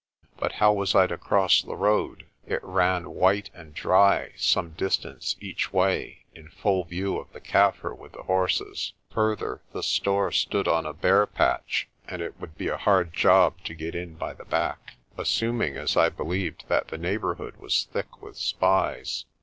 But how was I to cross the road? It ran white and dry some distance each way in full view of the Kaffir with the horses. Further, the store stood on a bare patch and it would be a hard job to get in by the back, 80 PRESTER JOHN assuming, as I believed, that the neighbourhood was thick with spies.